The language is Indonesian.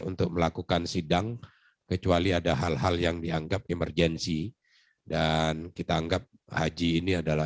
untuk melakukan sidang kecuali ada hal hal yang dianggap emergensi dan kita anggap haji ini adalah